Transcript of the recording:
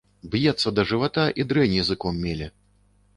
Б'ецца да жывата і дрэнь языком меле.